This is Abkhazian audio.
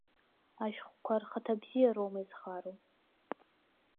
Ашәҟәқәа рхаҭабзиароума изхароу?